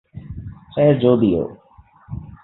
خیر جو بھی ہو